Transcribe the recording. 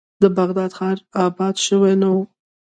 د بغداد ښار آباد شوی نه و.